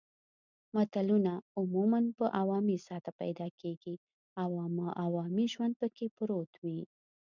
متلونه عموماً په عوامي سطحه پیدا کېږي او عوامي ژوند پکې پروت وي